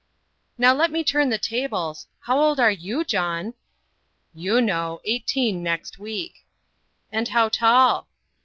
"Now let me turn the tables. How old are YOU, John?" "You know. Eighteen next week." "And how tall?"